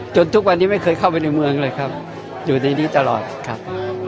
ทุกวันนี้ไม่เคยเข้าไปในเมืองเลยครับอยู่ในนี้ตลอดครับ